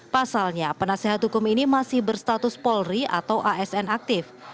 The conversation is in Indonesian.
pasalnya penasehat hukum ini masih berstatus polri atau asn aktif